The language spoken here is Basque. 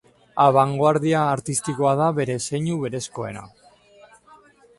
Abangoardia artistikoa da bere zeinu berezkoena.